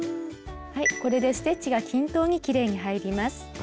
これでステッチが均等にきれいに入ります。